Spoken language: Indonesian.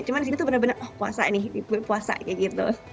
cuma di sini tuh bener bener oh puasa nih puasa kayak gitu